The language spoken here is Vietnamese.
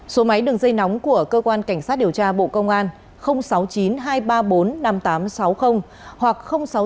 số máy đường dây nóng của cơ quan cảnh sát điều tra bộ công an sáu mươi chín hai trăm ba mươi bốn năm nghìn tám trăm sáu mươi hoặc sáu mươi chín hai trăm ba mươi hai một nghìn sáu trăm sáu mươi